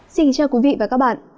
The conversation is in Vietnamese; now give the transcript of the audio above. xin chào quý vị và các bạn